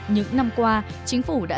những năm qua chính phủ đã